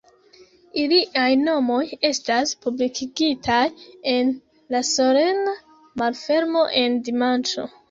Iliaj nomoj estas publikigitaj en la solena malfermo en dimanĉo.